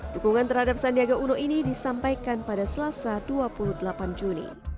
dukungan terhadap sandiaga uno ini disampaikan pada selasa dua puluh delapan juni